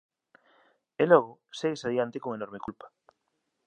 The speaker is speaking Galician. E logo segues adiante con enorme culpa.